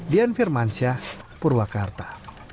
dian firmansyah purwakarta